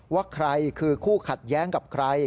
ว่าใครคือคู่ขัดแย้งกับใคร